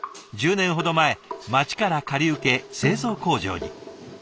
１０年ほど前町から借り受け製造工場に。